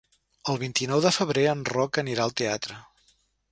El vint-i-nou de febrer en Roc anirà al teatre.